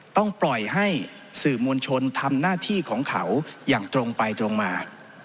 ต้องปล่อยให้สื่อมวลชนทำหน้าที่ของเขาอย่างตรงไปตรงมา